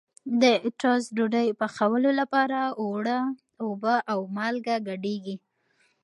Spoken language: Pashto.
د ټوسټ ډوډۍ پخولو لپاره اوړه اوبه او مالګه ګډېږي.